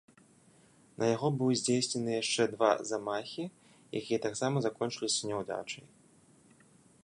На яго быў здзейснены яшчэ два замахі, якія таксама закончыліся няўдачай.